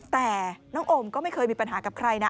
แต่น้องโอมก็ไม่เคยมีปัญหากับใครนะ